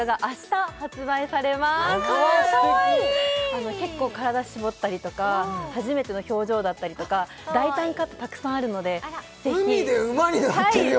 あの結構体しぼったりとか初めての表情だったりとか大胆カットたくさんあるので海で馬に乗ってるよ！